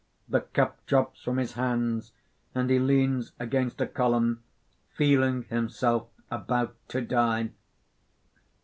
(_The cup drops from his hands; and he leans against a column, feeling himself about to die.